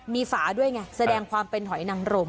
มีฝาด้วยไงแสดงความเป็นหอยนังรม